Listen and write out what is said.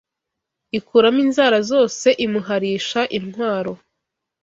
Ikuramo inzara zose imuharisha intwaro